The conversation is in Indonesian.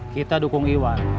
kita dukung iwan